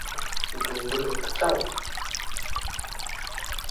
ধুন্দুল হতে চাও?